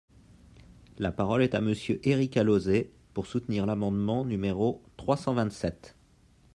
La parole est à Monsieur Éric Alauzet, pour soutenir l’amendement numéro trois cent vingt-sept.